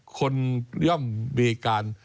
คนย่อมมีการ